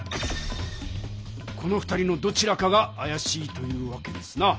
この２人のどちらかがあやしいというわけですな。